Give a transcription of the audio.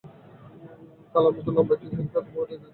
কালোমতো লম্বা একটি ছেলে তাঁর ঘর দেখিয়ে দিল।